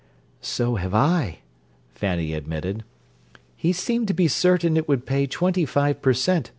"So have I," Fanny admitted. "He seemed to be certain it would pay twenty five per cent.